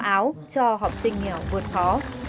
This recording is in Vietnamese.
một trăm linh áo cho học sinh nghèo vượt khó